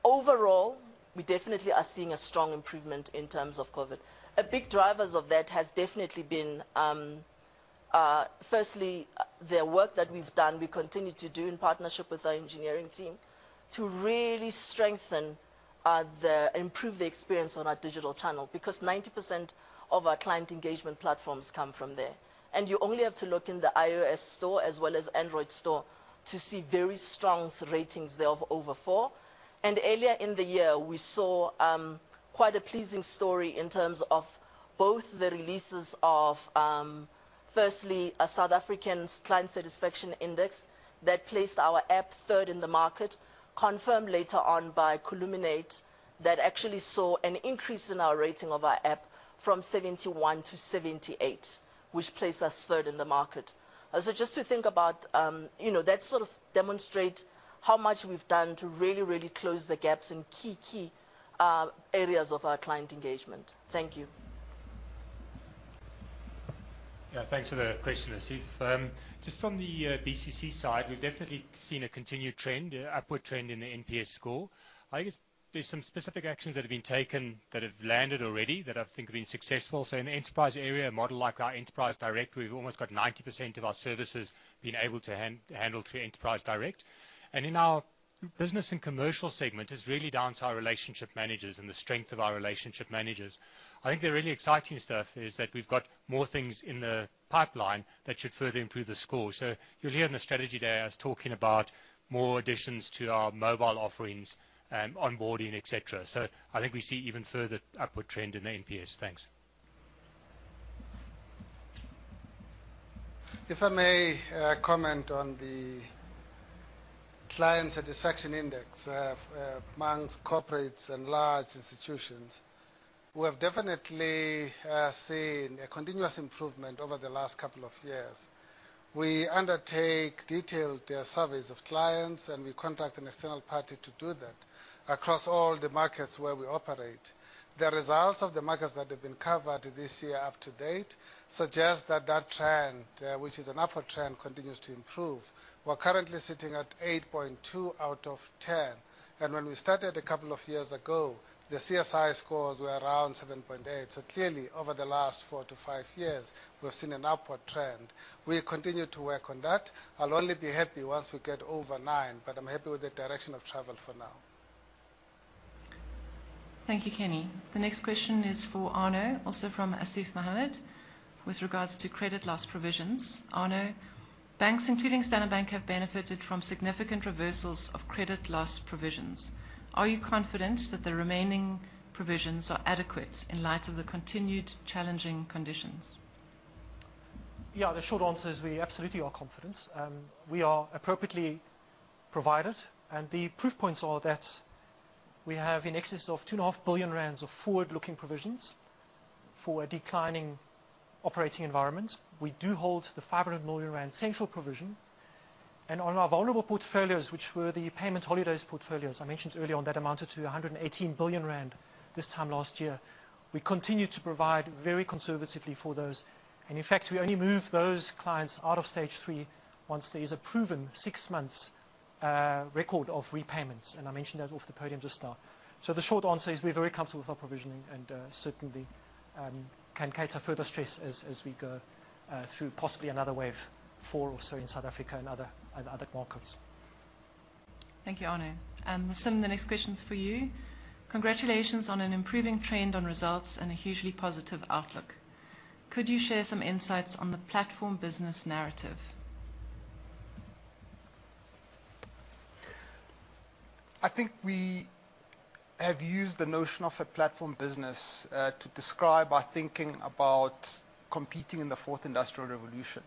Overall, we definitely are seeing a strong improvement in terms of COVID-19. A big driver of that has definitely been, firstly, the work that we've done, we continue to do in partnership with our engineering team to really strengthen and improve the experience on our digital channel, because 90% of our client engagement platforms come from there. You only have to look in the iOS Store as well as Android Store to see very strong ratings there of over four. Earlier in the year, we saw quite a pleasing story in terms of both the releases of, firstly, a South African Customer Satisfaction Index that placed our app third in the market, confirmed later on by Columinate, that actually saw an increase in our rating of our app from 71 to 78, which place us third in the market. Just to think about, that sort of demonstrate how much we've done to really close the gaps in key areas of our client engagement. Thank you. Yeah, thanks for the question, Asif. Just from the BCC side, we've definitely seen a continued trend, upward trend in the NPS score. I guess there's some specific actions that have been taken that have landed already that I think have been successful. In the enterprise area, a model like our Enterprise Direct, we've almost got 90% of our services being able to handle through Enterprise Direct. In our business and commercial segment, it's really down to our relationship managers and the strength of our relationship managers. I think the really exciting stuff is that we've got more things in the pipeline that should further improve the score. You'll hear on the strategy there, I was talking about more additions to our mobile offerings, onboarding, et cetera. I think we see even further upward trend in the NPS. Thanks. If I may comment on the client satisfaction index amongst corporates and large institutions, we have definitely seen a continuous improvement over the last couple of years. We undertake detailed surveys of clients, and we contract an external party to do that across all the markets where we operate. The results of the markets that have been covered this year up to date suggest that that trend, which is an upward trend, continues to improve. We're currently sitting at 8.2 out of 10, and when we started a couple of years ago, the CSI scores were around 7.8. Clearly, over the last four to five years, we have seen an upward trend. We continue to work on that. I'll only be happy once we get over nine, but I'm happy with the direction of travel for now. Thank you, Kenny. The next question is for Arno, also from Asif Mohammed, with regards to credit loss provisions. Arno, banks, including Standard Bank, have benefited from significant reversals of credit loss provisions. Are you confident that the remaining provisions are adequate in light of the continued challenging conditions? Yeah, the short answer is we absolutely are confident. We are appropriately provided, and the proof points are that we have in excess of 2.5 billion rand of forward-looking provisions for a declining operating environment. We do hold the 500 million rand central provision, and on our vulnerable portfolios, which were the payment holidays portfolios I mentioned earlier on, that amounted to 118 billion rand this time last year. We continue to provide very conservatively for those. In fact, we only move those clients out of stage 3 once there is a proven 6 months record of repayments, and I mentioned that off the podium to start. The short answer is we're very comfortable with our provisioning and certainly can cater further stress as we go through possibly another wave four or so in South Africa and other markets. Thank you, Arno. Sim, the next question's for you. Congratulations on an improving trend on results and a hugely positive outlook. Could you share some insights on the platform business narrative? I think we have used the notion of a platform business to describe our thinking about competing in the Fourth Industrial Revolution,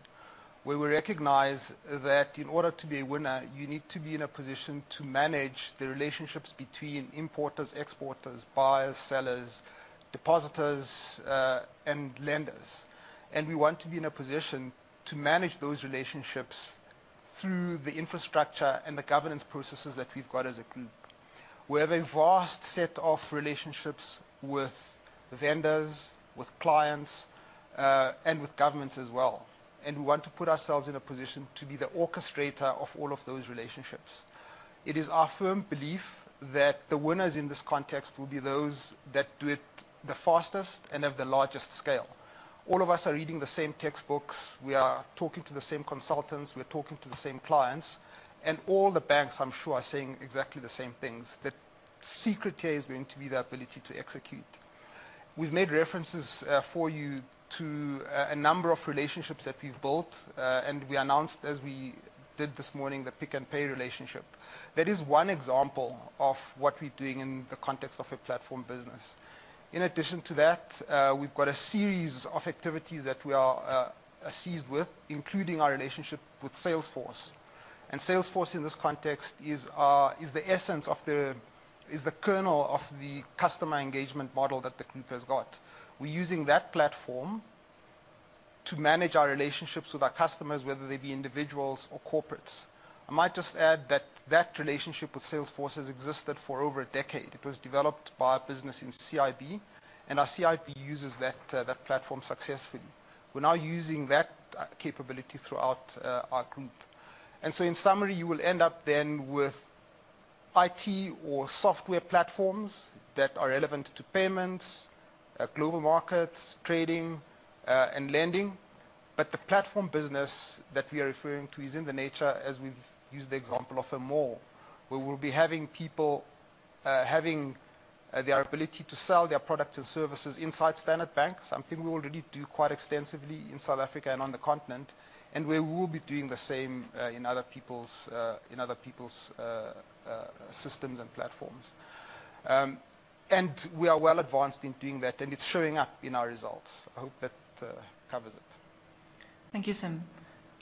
where we recognize that in order to be a winner, you need to be in a position to manage the relationships between importers, exporters, buyers, sellers, depositors, and lenders. We want to be in a position to manage those relationships through the infrastructure and the governance processes that we've got as a group. We have a vast set of relationships with vendors, with clients, and with governments as well, and we want to put ourselves in a position to be the orchestrator of all of those relationships. It is our firm belief that the winners in this context will be those that do it the fastest and have the largest scale. All of us are reading the same textbooks. We are talking to the same consultants. We're talking to the same clients, and all the banks, I'm sure, are saying exactly the same things. The secret here is going to be the ability to execute. We've made references for you to a number of relationships that we've built, and we announced as we did this morning, the Pick n Pay relationship. That is one example of what we're doing in the context of a platform business. In addition to that, we've got a series of activities that we are seized with, including our relationship with Salesforce. Salesforce in this context is the kernel of the customer engagement model that the group has got. We're using that platform to manage our relationships with our customers, whether they be individuals or corporates. I might just add that that relationship with Salesforce has existed for over a decade. It was developed by a business in CIB. Our CIB uses that platform successfully. We're now using that capability throughout our group. In summary, you will end up then with IT or software platforms that are relevant to payments, global markets, trading, and lending. The platform business that we are referring to is in the nature, as we've used the example of a mall, where we'll be having people, having their ability to sell their products and services inside Standard Bank, something we already do quite extensively in South Africa and on the continent. We will be doing the same in other people's systems and platforms. We are well advanced in doing that, and it's showing up in our results. I hope that covers it. Thank you, Sim.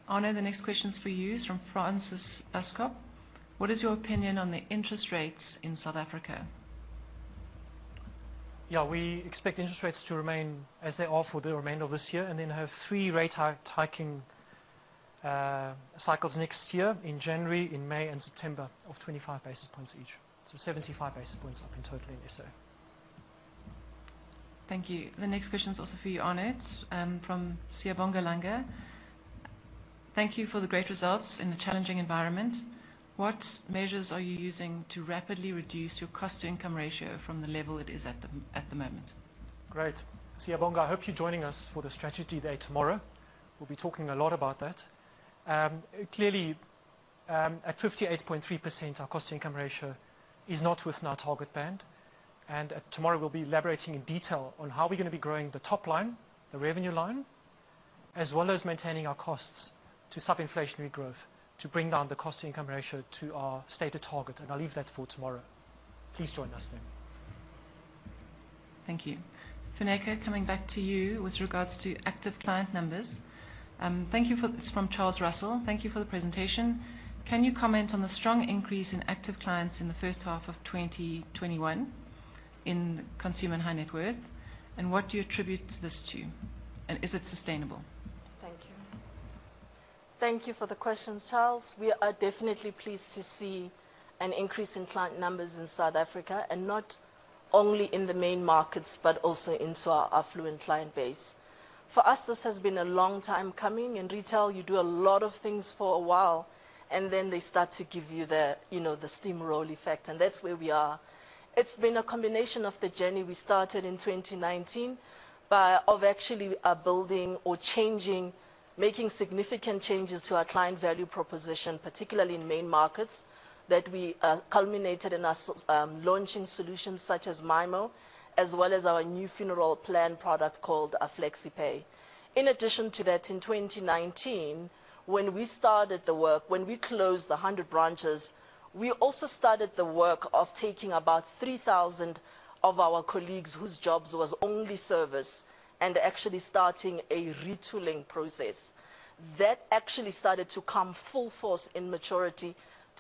Arno, the next question's for you. It's from Francis Bascomb. What is your opinion on the interest rates in South Africa? Yeah, we expect interest rates to remain as they are for the remainder of this year, and then have three rate hiking cycles next year in January, in May and September of 25 basis points each. Seventy-five basis points up in total in SA. Thank you. The next question is also for you, Arno. It's from Siyabonga Langa. Thank you for the great results in a challenging environment. What measures are you using to rapidly reduce your cost-to-income ratio from the level it is at the moment? Great. Siyabonga, I hope you're joining us for the strategy day tomorrow. We'll be talking a lot about that. Clearly, at 58.3%, our cost-to-income ratio is not within our target band. Tomorrow, we'll be elaborating in detail on how we're going to be growing the top line, the revenue line, as well as maintaining our costs to sub-inflationary growth to bring down the cost-to-income ratio to our stated target, and I'll leave that for tomorrow. Please join us then. Thank you. Funeka, coming back to you with regards to active client numbers. This from Charles Russell. Thank you for the presentation. Can you comment on the strong increase in active clients in the first half of 2021 in consumer and high net worth? What do you attribute this to, and is it sustainable? Thank you. Thank you for the questions, Charles. We are definitely pleased to see an increase in client numbers in South Africa, not only in the main markets, but also into our affluent client base. For us, this has been a long time coming. In retail, you do a lot of things for a while, then they start to give you the steamroll effect, that's where we are. It's been a combination of the journey we started in 2019, of actually building or making significant changes to our client value proposition, particularly in main markets, that we culminated in us launching solutions such as MyMo, as well as our new funeral plan product called Flexible Funeral Plan. In addition to that, in 2019, when we started the work, when we closed 100 branches, we also started the work of taking about 3,000 of our colleagues whose jobs was only service, and actually starting a retooling process. That actually started to come full force in maturity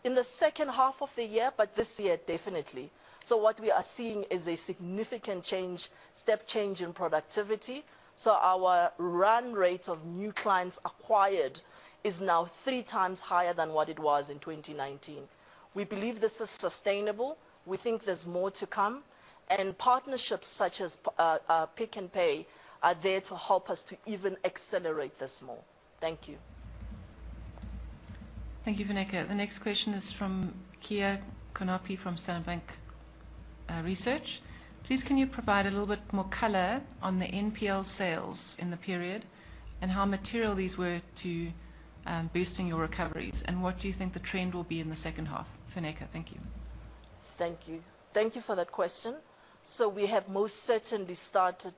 in the second half of the year, but this year definitely. What we are seeing is a significant step change in productivity. Our run rate of new clients acquired is now 3x higher than what it was in 2019. We believe this is sustainable. We think there's more to come, and partnerships such as Pick n Pay are there to help us to even accelerate this more. Thank you. Thank you, Funeka. The next question is from Khaya Konapi from Standard Bank Research. Please, can you provide a little bit more color on the NPL sales in the period, and how material these were to boosting your recoveries, and what do you think the trend will be in the second half? Funeka. Thank you. Thank you. Thank you for that question. We have most certainly started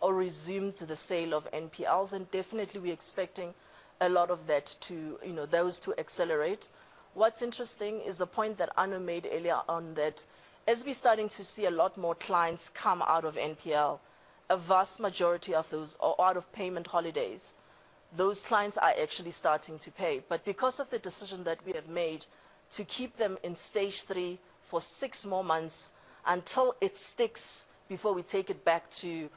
or resumed the sale of NPLs, and definitely we're expecting a lot of those to accelerate. What's interesting is the point that Arno made earlier on that as we're starting to see a lot more clients come out of NPL, a vast majority of those are out of payment holidays. Those clients are actually starting to pay. Because of the decision that we have made to keep them in stage 3 for 6 more months until it sticks before we take it back to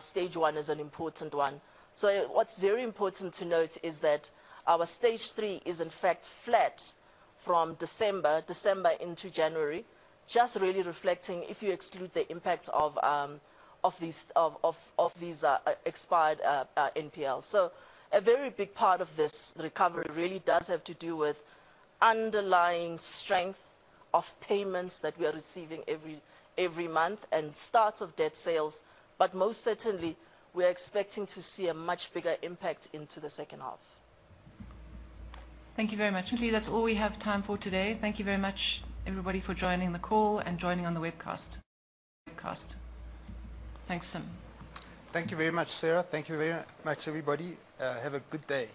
stage 1 is an important one. What's very important to note is that our stage 3 is in fact flat from December into January, just really reflecting if you exclude the impact of these expired NPLs. A very big part of this recovery really does have to do with underlying strength of payments that we are receiving every month and starts of debt sales. Most certainly, we are expecting to see a much bigger impact into the second half. Thank you very much. That's all we have time for today. Thank you very much, everybody, for joining the call and joining on the webcast. Thanks. Thank you very much, Sarah. Thank you very much, everybody. Have a good day.